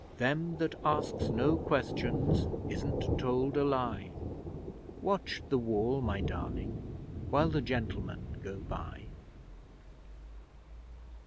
Them that asks no questions isn't told a lie Watch the wall, my darling, while the Gentlemen go by!